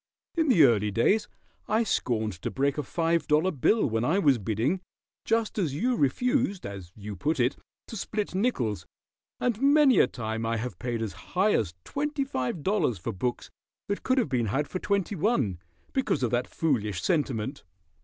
In the early days I scorned to break a five dollar bill when I was bidding, just as you refused, as you put it, to split nickels, and many a time I have paid as high as twenty five dollars for books that could have been had for twenty one, because of that foolish sentiment."